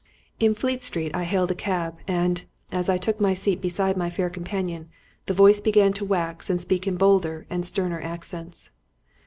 In Fleet Street I hailed a cab, and, as I took my seat beside my fair companion, the voice began to wax and speak in bolder and sterner accents.